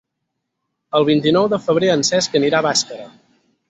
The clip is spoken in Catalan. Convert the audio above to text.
El vint-i-nou de febrer en Cesc anirà a Bàscara.